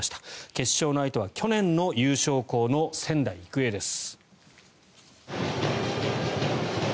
決勝の相手は去年の優勝校の仙台育英です。